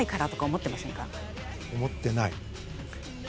思ってない。